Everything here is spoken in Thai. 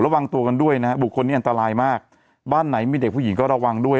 ระวังตัวกันด้วยนะฮะบุคคลนี้อันตรายมากบ้านไหนมีเด็กผู้หญิงก็ระวังด้วย